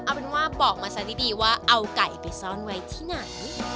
เอาเป็นว่าบอกมาซะดีว่าเอาไก่ไปซ่อนไว้ที่ไหน